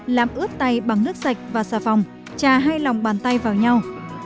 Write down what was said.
làm ướt tay bằng nước sạch và xà phòng trà hai lòng bàn tay vào nhau